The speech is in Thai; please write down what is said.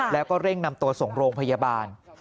แล้วก็เร่งนำตัวส่งโรงพยาบาล